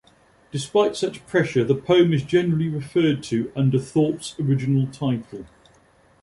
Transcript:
Despite such pressure, the poem is generally referred to under Thorpe's original title.